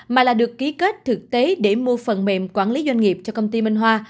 mà là được ký kết thực tế để mua phần mềm quản lý doanh nghiệp cho công ty minh hoa